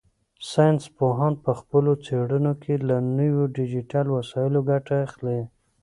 ساینس پوهان په خپلو څېړنو کې له نویو ډیجیټل وسایلو ګټه اخلي.